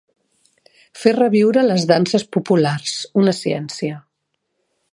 Fer reviure les danses populars, una ciència.